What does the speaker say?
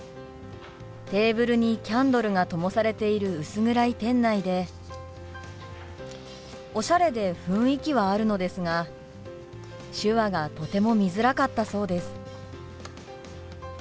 テーブルにキャンドルがともされている薄暗い店内でおしゃれで雰囲気はあるのですが手話がとても見づらかったそうです。